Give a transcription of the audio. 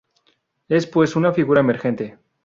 Es pues una figura emergente.